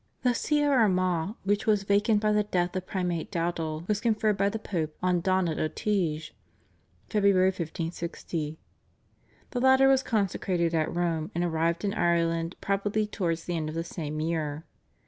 " The See of Armagh which was vacant by the death of Primate Dowdall was conferred by the Pope on Donat O'Teige (Feb. 1560). The latter was consecrated at Rome, and arrived in Ireland probably towards the end of the same year.